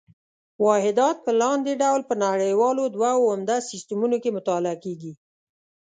واحدات په لاندې ډول په نړیوالو دوو عمده سیسټمونو کې مطالعه کېږي.